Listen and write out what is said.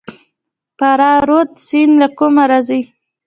فراه رود سیند له کومه راځي؟